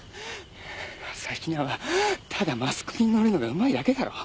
朝比奈はただマスコミに乗るのがうまいだけだろう。